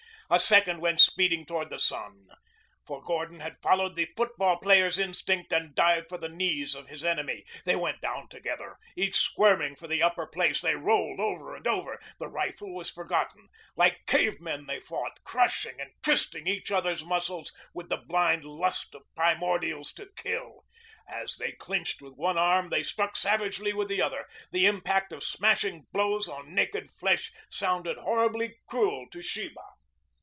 A second went speeding toward the sun. For Gordon had followed the football player's instinct and dived for the knees of his enemy. They went down together. Each squirming for the upper place, they rolled over and over. The rifle was forgotten. Like cave men they fought, crushing and twisting each other's muscles with the blind lust of primordials to kill. As they clinched with one arm, they struck savagely with the other. The impact of smashing blows on naked flesh sounded horribly cruel to Sheba.